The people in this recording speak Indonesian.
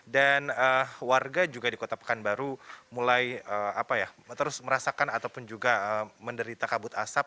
dan warga juga di kota pekanbaru mulai terus merasakan ataupun juga menderita kabut asap